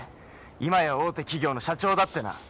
今や大手企業の社長だってな。